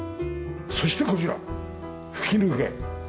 そしてこちら吹き抜け。